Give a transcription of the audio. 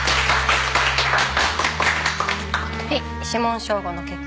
はい指紋照合の結果。